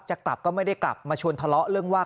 จะกลับก็ไม่ได้กลับมาชวนทะเลาะเรื่องว่า